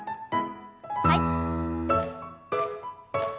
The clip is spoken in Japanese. はい。